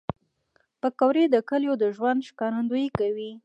پکورې د کلیو د ژوند ښکارندویي کوي